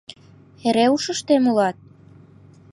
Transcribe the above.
Эре ушыштем улат?